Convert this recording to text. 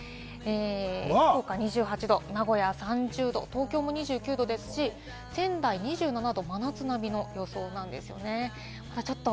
福岡２８度、名古屋３０度、東京も２９度ですし、仙台２７度、真夏並みの予想なんですね。